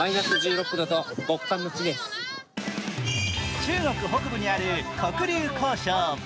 中国北部にある黒竜江省。